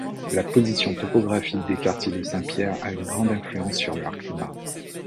La position topographique des quartiers de Saint-Pierre a une grande influence sur leur climat.